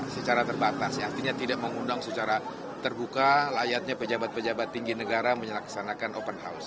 secara terbatas ya artinya tidak mengundang secara terbuka layaknya pejabat pejabat tinggi negara menyelaksanakan open house